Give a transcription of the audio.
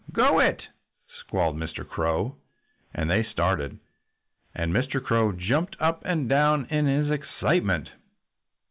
"Go it!" squalled Mr. Crow. And they started. And Mr. Crow jumped up and down in his excitement.